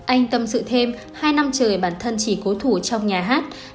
anh tâm sự thêm hai năm trời bản thân chỉ cố thủ trong nhà hát